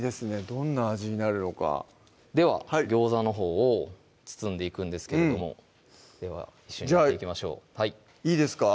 どんな味になるのかでは餃子のほうを包んでいくんですけれどもでは一緒にやっていきましょういいですか？